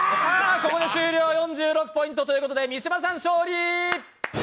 ここで終了、４６ポイントということで三島さん勝利！